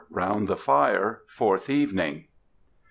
ROUND THE FIRE. FOURTH EVENING.